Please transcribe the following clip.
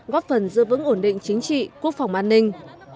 góp phần giữ vững ổn định chính trị quốc phòng an ninh